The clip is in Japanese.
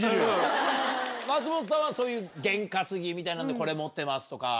松本さんはそういう験担ぎみたいなのでこれ持ってますとか。